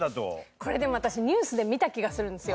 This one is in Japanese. これでも私ニュースで見た気がするんですよ。